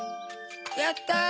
やった！